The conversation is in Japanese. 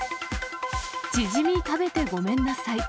チヂミ食べてごめんなさい。